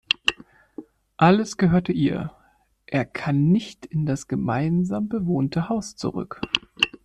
Alles gehörte ihr, er kann nicht in das gemeinsam bewohnte Haus zurück.